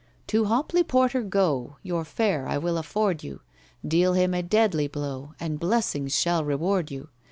"To HOPLEY PORTER go, Your fare I will afford you— Deal him a deadly blow, And blessings shall reward you.